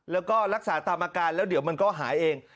แล้วก็รักษาตามอาการแล้วเดี๋ยวมันก็หายเอง